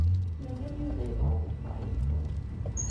Mazal Yuba yebɣa ad iffeɣ yid-kent.